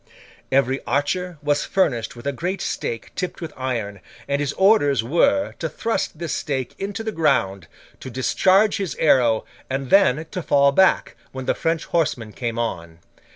Every archer was furnished with a great stake tipped with iron; and his orders were, to thrust this stake into the ground, to discharge his arrow, and then to fall back, when the French horsemen came on.